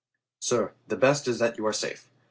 "Sir, the best is that you are safe.